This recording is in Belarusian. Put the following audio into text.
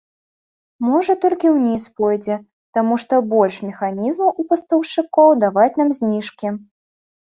Можа, толькі ўніз пойдзе, таму што больш механізмаў у пастаўшчыкоў даваць нам зніжкі.